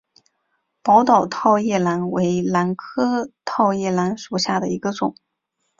宝岛套叶兰为兰科套叶兰属下的一个种。